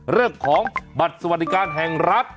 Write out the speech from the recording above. เรื่องของบัตรสวัสดิการแห่งรัฐ